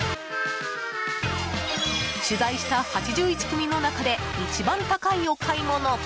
取材した８１組の中で一番高いお買い物。